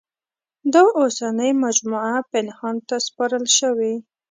دا اوسنۍ مجموعه پنهان ته سپارل شوې.